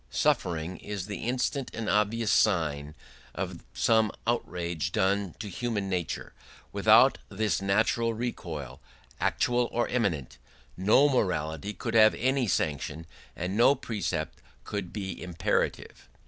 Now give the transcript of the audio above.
Suffering is the instant and obvious sign of some outrage done to human nature; without this natural recoil, actual or imminent, no morality would have any sanction, and no precept could be imperative.